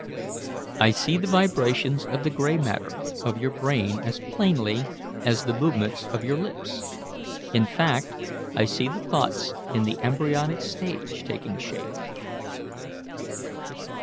"I see the vibrations of the grey matter of your brain as plainly as the movements of your lips"; in fact, I see the thoughts in the embryonic state taking shape."